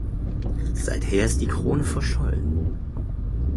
Seither ist die Krone verschollen.